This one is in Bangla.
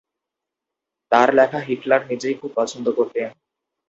তার লেখা হিটলার নিজেই খুব পছন্দ করতেন।